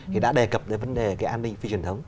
thì đã đề cập đến vấn đề cái an ninh phi truyền thống